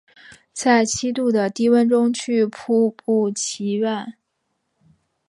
在七度的低温中去瀑布祈愿